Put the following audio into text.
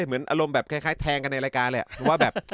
เหมือนอารมณ์แบบคล้ายแทงกันในรายการเลยว่าแบบ